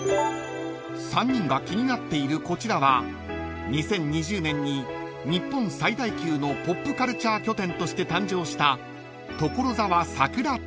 ［３人が気になっているこちらは２０２０年に日本最大級のポップカルチャー拠点として誕生した］